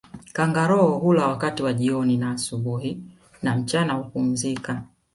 Kangaroo hula wakati wa jioni na asubuhi na mchana hupumzika